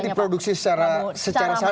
nah itu diproduksi secara secara sadar